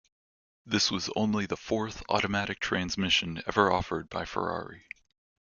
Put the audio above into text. This was only the fourth automatic transmission ever offered by Ferrari.